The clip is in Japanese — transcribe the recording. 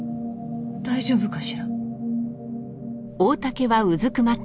大丈夫かしら？